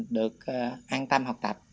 được an tâm học tập